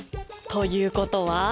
ということは！？